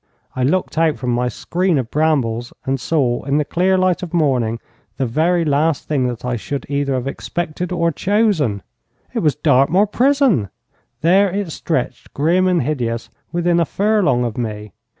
I looked out from my screen of brambles, and saw in the clear light of morning the very last thing that I should either have expected or chosen. It was Dartmoor Prison! There it stretched, grim and hideous, within a furlong of me.